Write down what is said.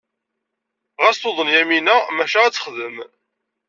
Ɣas tuḍen Yamina, maca ad texdem.